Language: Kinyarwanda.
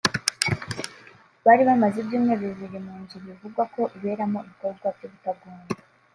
bari bamaze ibyumweru bibiri mu nzu bivugwa ko iberamo ibikorwa by’ubutagondwa